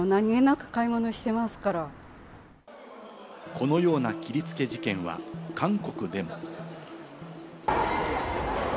このような切りつけ事件は韓国でも。